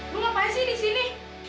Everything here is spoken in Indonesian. lu ngapain sih disini